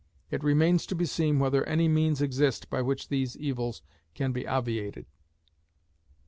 It remains to be seen whether any means exist by which these evils can be obviated.